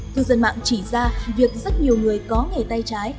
cư dân mạng chỉ ra việc rất nhiều người có nghề tay trái